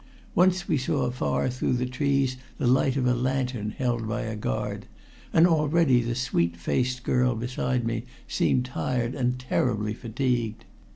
Once we saw afar through the trees the light of a lantern held by a guard, and already the sweet faced girl beside me seemed tired and terribly fatigued.